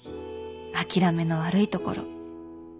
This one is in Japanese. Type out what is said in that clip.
諦めの悪いところ。